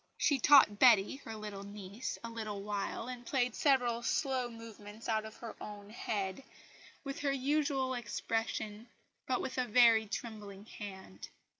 She taught Betty (her little niece) a little while, and played several slow movements out of her own head, with her usual expression, but with a very trembling hand.